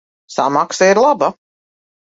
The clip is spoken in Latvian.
Samaksa ir laba.